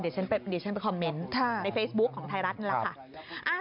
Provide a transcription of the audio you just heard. เดี๋ยวฉันไปคอมเมนต์ในเฟซบุ๊คของไทยรัฐนี่แหละค่ะ